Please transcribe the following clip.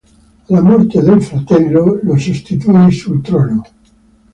Alla morte del fratello lo sostituì sul trono.